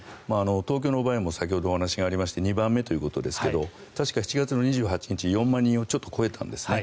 東京の場合も先ほどお話がありまして２番目ということですが確か７月２８日に４万人をちょっと超えたんですね。